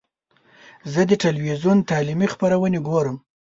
زه د ټلویزیون تعلیمي خپرونې ګورم.